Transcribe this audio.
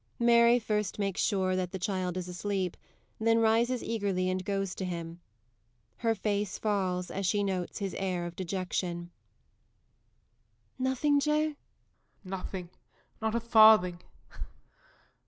_ MARY _first makes sure that the child is asleep, then rises eagerly and goes to him. Her face falls as she notes his air of dejection._ MARY. [Wistfully.] Nothing, Joe? JOE. Nothing. Not a farthing.